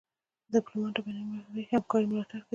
ډيپلومات د بینالمللي همکارۍ ملاتړ کوي.